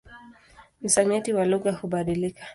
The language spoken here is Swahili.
Msamiati wa lugha hubadilika.